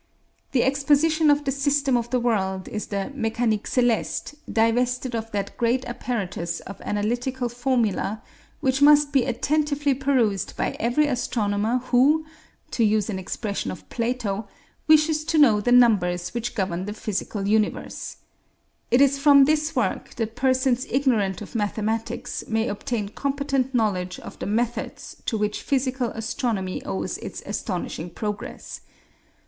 The Exposition of the System of the World is the 'Mécanique Céleste' divested of that great apparatus of analytical formulae which must be attentively perused by every astronomer who, to use an expression of Plato, wishes to know the numbers which govern the physical universe. It is from this work that persons ignorant of mathematics may obtain competent knowledge of the methods to which physical astronomy owes its astonishing progress.